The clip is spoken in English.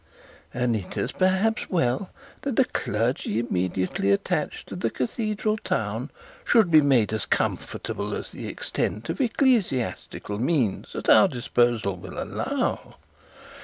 And it is, perhaps, well that the clergy immediately attached to the cathedral town should be made comfortable to the extent of the ecclesiastical means at our disposal will allow.